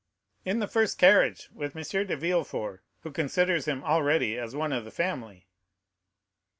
"In the first carriage, with M. de Villefort, who considers him already as one of the family."